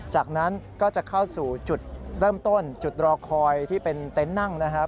จากนั้นก็จะเข้าสู่จุดเริ่มต้นจุดรอคอยที่เป็นเต็นต์นั่งนะครับ